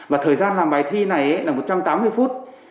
và thời gian làm bài thi này là một trăm tám mươi phút